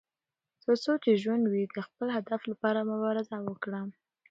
تر څو چې ژوند وي، د خپل هدف لپاره مبارزه وکړه.